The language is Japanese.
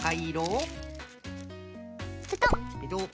ペトッ。